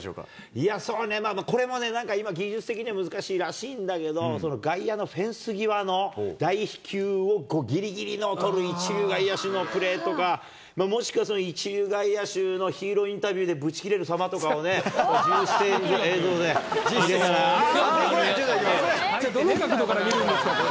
いや、そうね、これも今、技術的には難しいらしいんだけど、外野のフェンス際の大飛球をぎりぎり捕る一流外野手のプレーとか、もしかすると一流外野手のヒーローインタビューでブチ切れるさまどの角度から見るんですか。